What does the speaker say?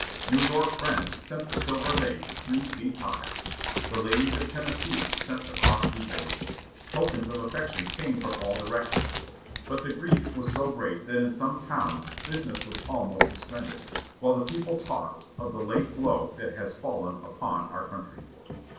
New York friends sent a silver vase three feet high. The ladies of Tennessee sent a costly vase. Tokens of affection came from all directions. But the grief was so great that in some towns business was almost suspended, while the people talked "of the late blow that has fallen upon our country."